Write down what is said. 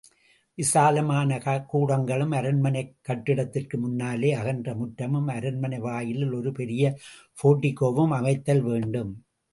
விசாலமான கூடங்களும், அரண்மனைக் கட்டிடத்திற்கு முன்னாலே அகன்ற முற்றமும், அரண்மனை வாயிலில் ஒரு பெரிய போர்டிகோவும் அமைத்தல் வேண்டும்.